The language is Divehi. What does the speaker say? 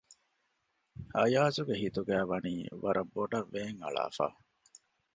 އަޔާޒުގެ ހިތުގައިވަނީ ވަރަށް ބޮޑަށް ވޭން އަޅާފަ